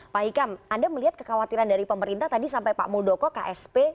pak hikam anda melihat kekhawatiran dari pemerintah tadi sampai pak muldoko ksp